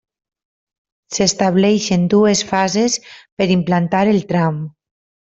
S'estableixen dues fases per implantar el tram.